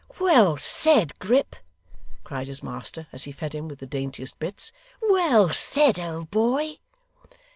'Well said, Grip!' cried his master, as he fed him with the daintiest bits. 'Well said, old boy!